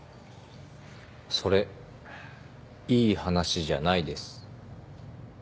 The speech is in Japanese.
それいい話じゃないです。